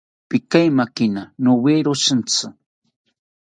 Pikeimakina nowero shintzi